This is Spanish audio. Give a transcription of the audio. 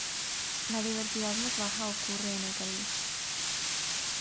La diversidad más baja ocurre en el Caribe.